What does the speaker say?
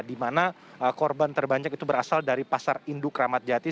dimana korban terbanyak itu berasal dari pasar induk ramadjati